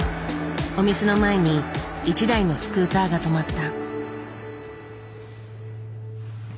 お店の前に一台のスクーターが止まった。